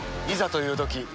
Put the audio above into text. いざというとき